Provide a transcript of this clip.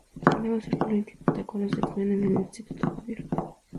El nuevo Círculo Íntimo atacó a los X-Men en el Instituto Xavier.